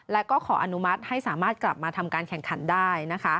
และก็ขออนุมัติให้สามารถกลับมาทำการแข่งขันได้